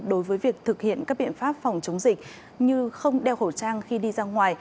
đối với việc thực hiện các biện pháp phòng chống dịch như không đeo khẩu trang khi đi ra ngoài